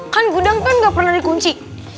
kan gudang kan gak pernah di kunci